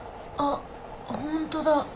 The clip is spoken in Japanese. あっホントだ。